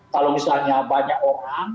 kalau misalnya banyak orang